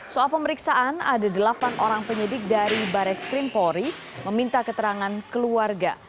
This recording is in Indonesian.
soal pemeriksaan ada delapan orang penyidik dari bares krimpori meminta keterangan keluarga